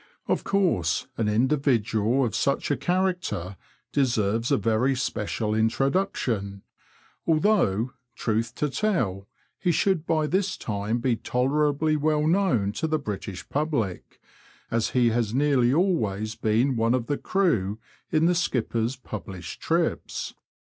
Of course an individual of such a character deserves a very special introduction, although, truth to tell, he should by this time be tolerably well known to the British public, as he has nearly always been one of the crew in the skipper's published trips.